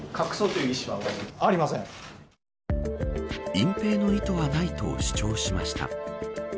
隠蔽の意図はないと主張しました。